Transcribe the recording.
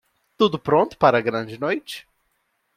Tudo pronto para a grande noite?